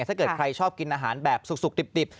ถ้าเกิดใครชอบกินอาหารแบบสุกดิบ